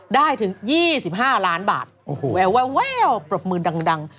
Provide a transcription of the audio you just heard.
ได้ถึง๒๕ล้านบาทโอ้โหแววปรบมือดัง